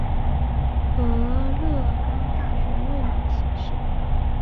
俄勒冈大学位于此市。